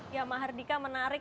ya maha hardika menarik